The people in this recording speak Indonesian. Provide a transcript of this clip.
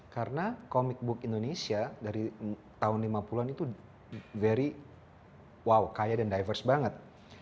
karena comic book indonesia dari tahun lima puluh an itu very wow kaya dan diverse banget